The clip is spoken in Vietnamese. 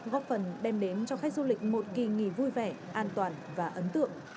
góp phần đem đến cho khách du lịch một kỳ nghỉ vui vẻ an toàn và ấn tượng